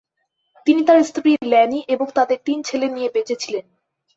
তিনি তার স্ত্রী ল্যানি এবং তাদের তিন ছেলে নিয়ে বেঁচে ছিলেন।